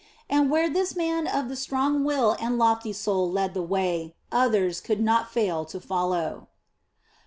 And where this man of the strong will and lofty soul led the way, others could not fail to follow.